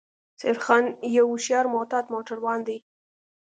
سیدخان یو هوښیار او محتاط موټروان دی